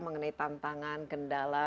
mengenai tantangan kendala